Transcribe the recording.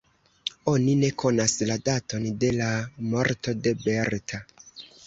Oni ne konas la daton de la morto de Berta.